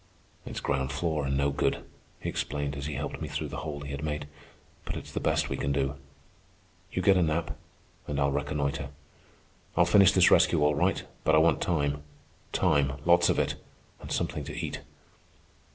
"It's ground floor and no good," he explained as he helped me through the hole he had made; "but it's the best we can do. You get a nap and I'll reconnoitre. I'll finish this rescue all right, but I want time, time, lots of it—and something to eat."